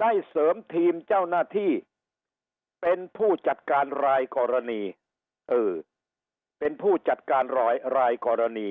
ได้เสริมทีมเจ้าหน้าที่เป็นผู้จัดการรายกรณี